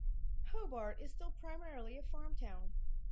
Hobart is still primarily a farm town.